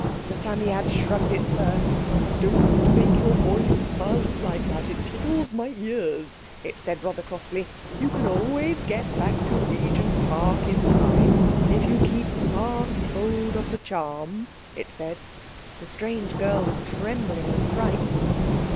The Psammead shrugged its fur. "Don't make your voice buzz like that, it tickles my ears," it said rather crossly. "You can always get back to Regent's Park in time if you keep fast hold of the charm," it said. The strange girl was trembling with fright.